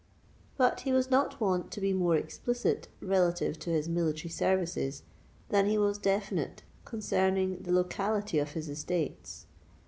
But he was not wont to be more explicit relative to his military services than he was definite concerning the locality of his estates.